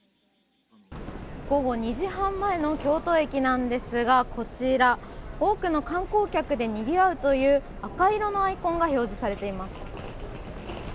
午後２時半前の京都駅なんですがこちら多くの観光客でにぎわうという赤色のアイコンが表示されています。